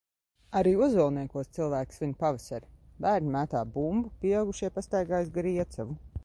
Arī Ozolniekos cilvēki svin pavasari – bērni mētā bumbu, pieaugušie pastaigājas gar Iecavu.